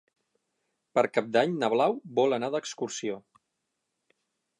Per Cap d'Any na Blau vol anar d'excursió.